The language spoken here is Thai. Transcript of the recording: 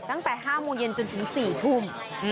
ตั้งแต่๕โมงเย็นจนถึง๔ทุ่ม